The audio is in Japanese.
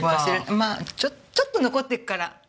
まあちょっと残ってるから。